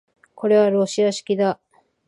これはロシア式だ